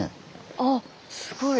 あっすごい。